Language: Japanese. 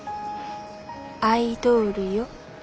アイドールよ。